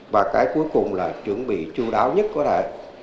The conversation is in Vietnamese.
và cái cuối cùng là chuẩn bị chú đáo nhất có thể